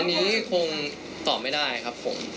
อันนี้คงตอบไม่ได้ครับผม